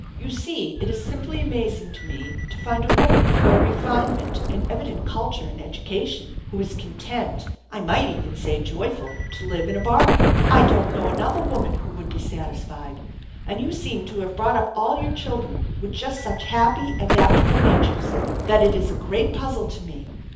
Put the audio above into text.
You see it is simply amazing to me to find a woman of your refinement and evident culture and education who is content I might even say joyful to live in a barn! I don't know another woman who would be satisfied. And you seem to have brought up all your children with just such happy, adaptable natures, that it is a great puzzle to me.